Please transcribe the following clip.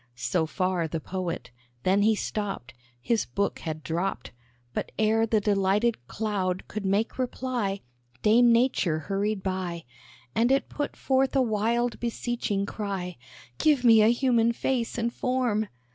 So far the Poet. Then he stopped: His book had dropped. But ere the delighted cloud could make reply, Dame Nature hurried by, And it put forth a wild beseeching cry "Give me a human face and form!"